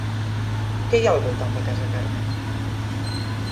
Què hi ha al voltant de Casa Carmen?